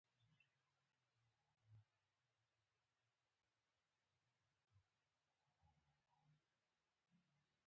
باران د خداے پاک رحمت دے